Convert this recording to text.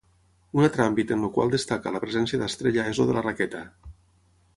Un altre àmbit en el qual destaca la presència d'Estrella és el de la raqueta.